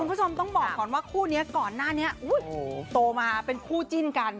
คุณผู้ชมต้องบอกก่อนว่าคู่นี้ก่อนหน้านี้โตมาเป็นคู่จิ้นกัน